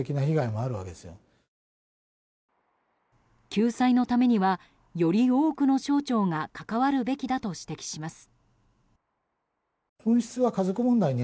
救済のためにはより多くの省庁が関わるべきだと指摘します。